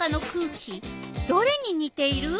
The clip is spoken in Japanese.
どれににている？